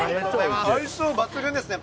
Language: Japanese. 相性抜群ですね。